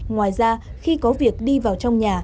ngoài ra khi có việc đi vào trong nhà